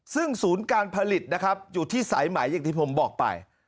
ซึ่งศูนย์การผลิตนะครับอยู่ที่สายไหมอย่างที่ผมบอกไป